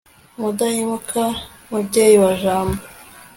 mudahemuka mubyeyi wa jambo